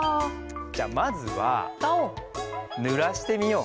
じゃまずはぬらしてみよう。